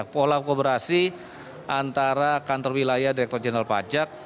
pola kolaborasi antara kantor wilayah direktur general pajak